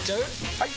・はい！